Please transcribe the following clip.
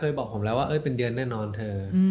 บอกผมแล้วว่าเป็นเดือนแน่นอนเธอ